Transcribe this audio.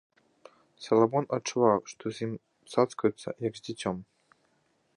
Саламон адчуваў, што з ім цацкаюцца, як з дзіцем.